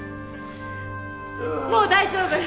もう大丈夫！